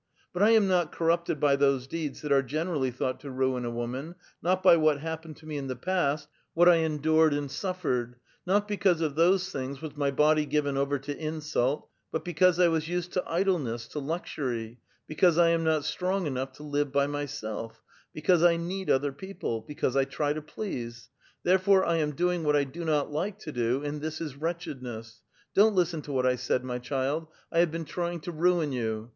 But I am not corrupted by those deeds that are generally thought to ruin a woman ; not by what happened to me in the past, what 1 endured and suf fered ; not because of those things was my body given over to insult ; but because I was used to idleness, to luxury ; be cause 1 am not strong enough to live by myself ; because I need other people ; because 1 try to please ; therefore I am doing what I do not like to do, and this is wretchedness. Don't listen to what 1 said, my child ; I have been trying to ruin you.